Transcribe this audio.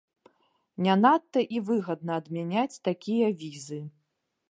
Не надта і выгадна адмяняць такія візы.